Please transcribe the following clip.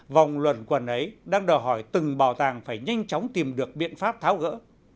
vòng luận quần ấy đang đòi hỏi từng bảo tàng phải nhanh chóng tìm được biện pháp tháo gỡ